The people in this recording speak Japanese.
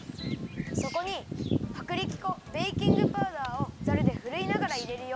そこにはくりき粉ベーキングパウダーをザルでふるいながらいれるよ。